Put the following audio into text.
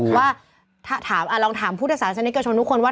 ว่าถ้าถามลองถามผู้ทศาสนิทเกาะชนทุกคนว่า